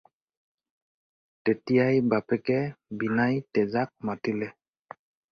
তেতিয়াই বাপেকে বিনাই তেজাক মাতিলে।